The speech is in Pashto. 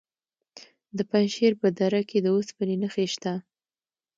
د پنجشیر په دره کې د اوسپنې نښې شته.